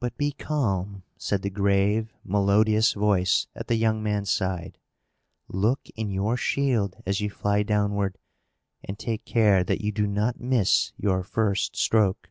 "But be calm," said the grave, melodious voice at the young man's side. "Look in your shield, as you fly downward, and take care that you do not miss your first stroke."